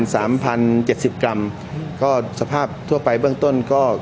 สามพันเจ็ดสิบกรัมก็สภาพทั่วไปเบื้องต้นก็